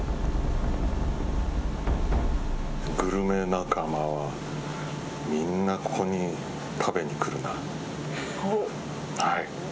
グルメ仲間はみんな、ここに食べにくるな。